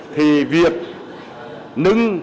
thì việc nâng